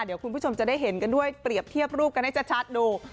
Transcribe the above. เดี๋ยวคุณผู้ชมจะได้เห็นกันด้วยเปรียบเทียบรูปกันให้ชัดดู